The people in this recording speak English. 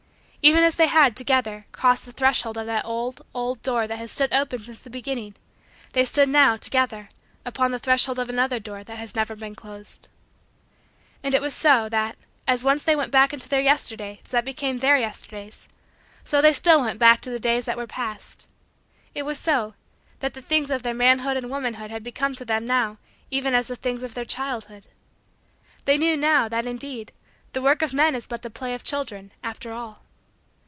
Even as they had, together, crossed the threshold of the old, old, door that has stood open since the beginning, they stood now, together, upon the threshold of another door that has never been closed. And it was so, that, as once they went back into the Yesterdays that became Their Yesterdays, so they still went back to the days that were past. It was so, that the things of their manhood and womanhood had become to them, now, even as the things of their childhood. They knew, now, that, indeed, the work of men is but the play of children, after all.